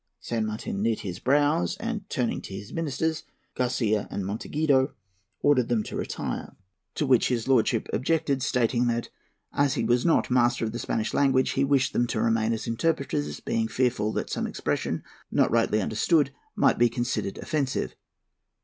San Martin knit his brows and, turning to his ministers, Garcia and Monteagudo, ordered them to retire; to which his lordship objected, stating that, 'as he was not master of the Spanish language, he wished them to remain as interpreters, being fearful that some expression, not rightly understood, might be considered offensive.'